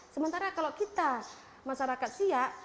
sementara kalau kita masyarakat siak